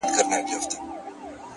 غواړم د پېړۍ لپاره مست جام د نشیې !!